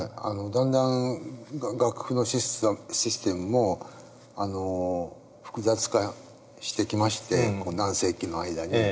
だんだん楽譜のシステムも複雑化してきまして何世紀の間に。